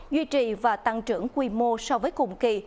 duy trì và tăng trưởng quy mô so với cùng kỳ